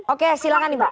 oke silakan mbak